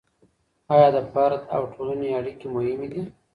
آيا د فرد او ټولني اړيکي مهمې دي؟